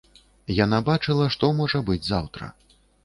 Яна бачыла, што можа быць заўтра.